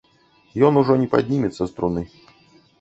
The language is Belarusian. Ён ужо не паднімецца з труны.